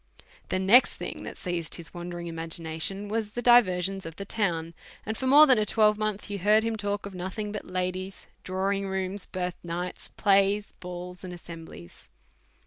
The next thing that seized his wandering imagina tion was the diversions of the town ; and for more than a twelvemonth you heard him talk of nothing but ladies, drawing rooms, birth nights, plays, balls, and as semblies.